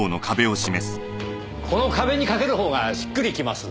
この壁に掛ける方がしっくりきます。